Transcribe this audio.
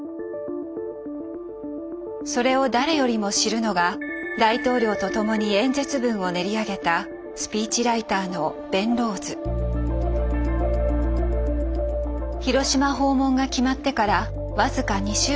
それを誰よりも知るのが大統領と共に演説文を練り上げた広島訪問が決まってから僅か２週間。